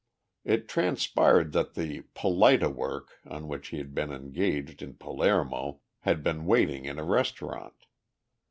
It transpired that the "polit a work" on which he had been engaged in Pal aer mo had been waiting in a restaurant.